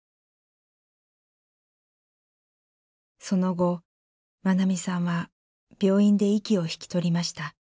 その後愛美さんは病院で息を引き取りました。